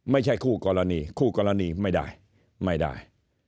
ไม่ใช่คู่กรณีคู่กรณีไม่ได้ไม่ได้